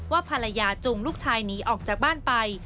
ภรรยาจูงลูกชายหนีออกจากบ้านไป